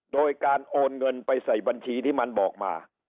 โดยการโอนเงินไปใส่บัญชีที่มันบอกมา